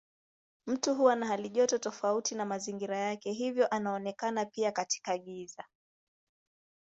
Mtu huwa na halijoto tofauti na mazingira yake hivyo anaonekana pia katika giza.